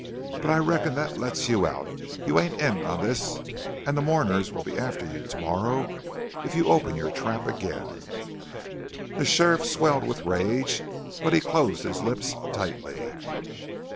But I reckon that lets you out you ain't in on this and the mourners'll be after you to morrow if you open your trap again!" The sheriff swelled with rage, but he closed his lips tightly.